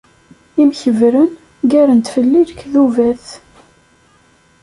Imkebbren ggaren-d fell-i lekdubat.